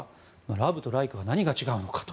ラブとライクは何が違うのかと。